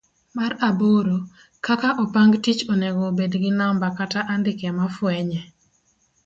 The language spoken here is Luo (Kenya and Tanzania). mar aboro. kaka opang tich onego obed gi namba kata andike ma fwenye.